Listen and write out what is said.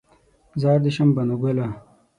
زار دې شم بنو ګله